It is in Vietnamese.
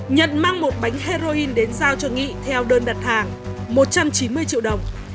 nhận mang một bánh heroin đến giao cho nghị theo đơn đặt hàng một trăm chín mươi triệu đồng